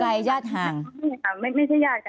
ไม่ใช่ญาติกันค่ะ